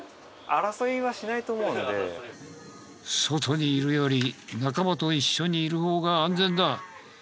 外にいるより仲間と一緒にいる方が安全だ。